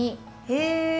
へえ。